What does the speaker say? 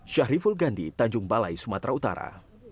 syahriful gandhi tanjung balai sumatera utara